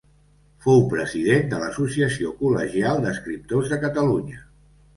Fou president de l'Associació Col·legial d'Escriptors de Catalunya.